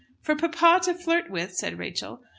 "For papa to flirt with?" said Rachel.